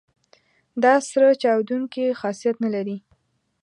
دا سره چاودیدونکي خاصیت نه لري.